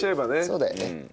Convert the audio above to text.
そうだよね。